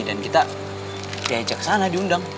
dan kita diajak ke sana diundang